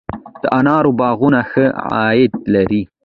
د انارو باغونه ښه عاید لري؟